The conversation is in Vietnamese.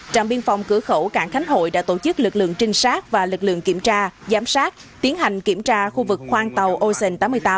trạm biên phòng cửa khẩu cảng khánh hội đã tổ chức lực lượng trinh sát và lực lượng kiểm tra giám sát tiến hành kiểm tra khu vực khoang tàu ocean tám mươi tám